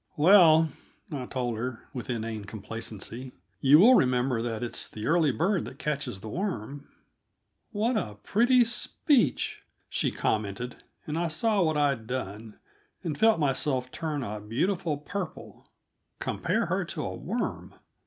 "Well," I told her with inane complacency, "you will remember that 'it's the early bird that catches the worm.'" "What a pretty speech!" she commented, and I saw what I'd done, and felt myself turn a beautiful purple. Compare her to a worm!